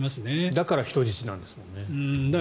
だから人質なんですよね。